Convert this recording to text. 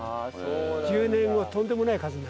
１０年後はとんでもない数になりますね。